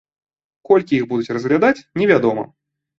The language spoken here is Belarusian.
Колькі іх будуць разглядаць, невядома.